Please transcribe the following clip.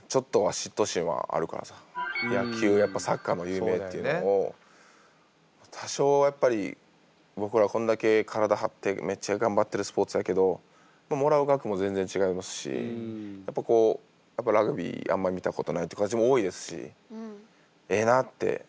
野球やっぱサッカーも有名っていうのを多少はやっぱり僕らはこんだけ体張ってめっちゃ頑張ってるスポーツやけどもらう額も全然違いますしやっぱこうラグビーあんま見たことないっていう子たちも多いですしええなって思います。